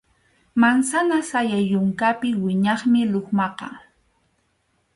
Mansana sayay yunkapi wiñaqmi lukmaqa.